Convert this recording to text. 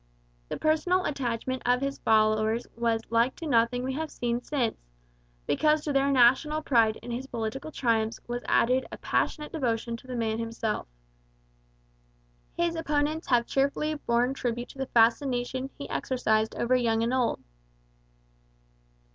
The personal attachment of his followers was like to nothing we have seen since, because to their natural pride in his political triumphs was added a passionate devotion to the man himself. His opponents have cheerfully borne tribute to the fascination he exercised over young and old.